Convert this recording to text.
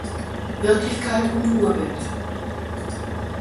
Wirklichkeit und Urbild.